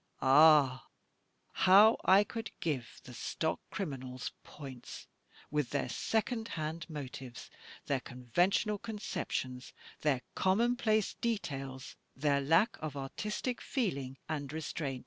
Ah, how I could give the stock criminals points with their second hand motives, their conventional conceptions, their commonplace details, their lack of artistic feeling and restraint."